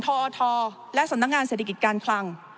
ทอทและสำนักงานเศรษฐกิจการคลัง